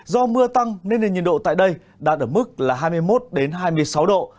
do mưa tăng nên nền nhiệt độ tại đây đạt ở mức là hai mươi một hai mươi sáu độ